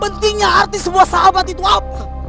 pentingnya arti semua sahabat itu apa